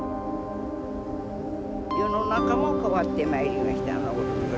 世の中も変わってまいりました。